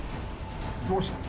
どうした？